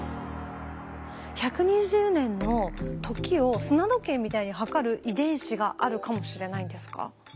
１２０年の時を砂時計みたいに計る遺伝子があるかもしれないんですか？